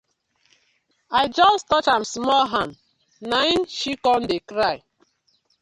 I just touch am small hand na im she com dey cry.